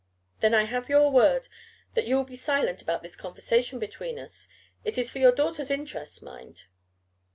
"Then I have your word that you will be silent about this conversation between us? It is for your daughter's interest, mind."